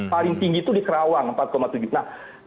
paling tinggi itu di kerawang empat tujuh nah